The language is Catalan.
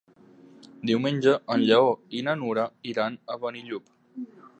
Diumenge en Lleó i na Nura iran a Benillup.